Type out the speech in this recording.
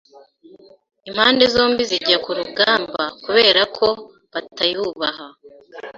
Impande zombi zijya kurugamba 'kuberako batayubaha